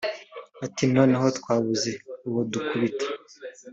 Ati ” Noneho twabuze uwo dukubita